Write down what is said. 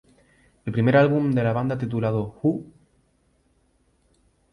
El primer álbum de la banda titulado "Who?